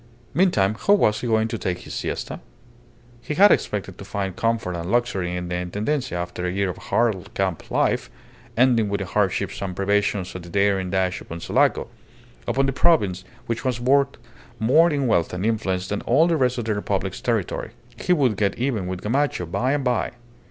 Meantime, how was he going to take his siesta? He had expected to find comfort and luxury in the Intendencia after a year of hard camp life, ending with the hardships and privations of the daring dash upon Sulaco upon the province which was worth more in wealth and influence than all the rest of the Republic's territory. He would get even with Gamacho by and by.